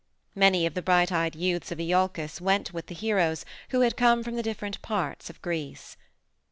Many of the bright eyed youths of Iolcus went with the heroes who had come from the different parts of Greece.